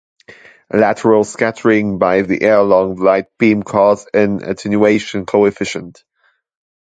Lateral scattering by the air along the light beam cause an attenuation coefficient.